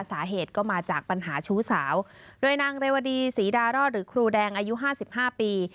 สาเหตุก็มาจากปัญหาชู้สาวโดยนางเรวดีศรีดารอดหรือครูแดงอายุห้าสิบห้าปี